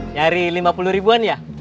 nyari lima puluh ribuan ya